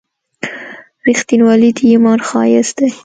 • رښتینولي د ایمان ښایست دی.